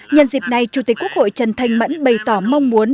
nhân dịp này chủ tịch quốc hội trần thanh mẫn bày tỏ mong muốn